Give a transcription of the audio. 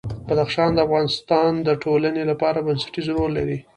بدخشان د افغانستان د ټولنې لپاره بنسټيز رول لري.